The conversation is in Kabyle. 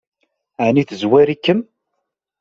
Ɛni tezwar-ikem?